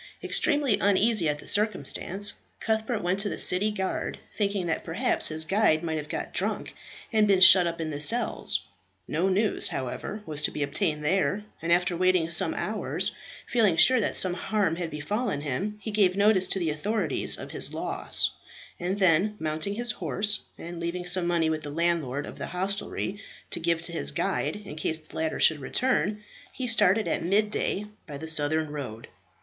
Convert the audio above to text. Extremely uneasy at the circumstance, Cuthbert went to the city guard, thinking that perhaps his guide might have got drunk, and been shut up in the cells. No news, however, was to be obtained there, and after waiting some hours, feeling sure that some harm had befallen him, he gave notice to the authorities of his loss, and then, mounting his horse, and leaving some money with the landlord of the hostelry to give to his guide in case the latter should return, he started at mid day by the southern road.